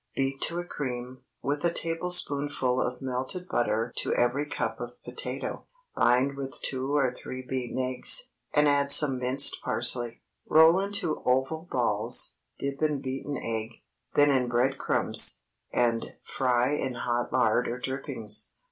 Beat to a cream, with a tablespoonful of melted butter to every cupful of potato. Bind with two or three beaten eggs, and add some minced parsley. Roll into oval balls, dip in beaten egg, then in bread crumbs, and fry in hot lard or drippings.